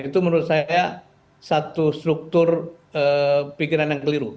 itu menurut saya satu struktur pikiran yang keliru